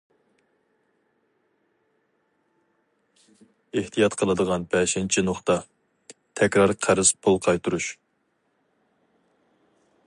ئېھتىيات قىلىدىغان بەشىنچى نۇقتا: تەكرار قەرز پۇل قايتۇرۇش.